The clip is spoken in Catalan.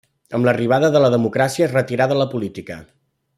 Amb l'arribada de la democràcia es retirà de la política.